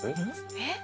えっ？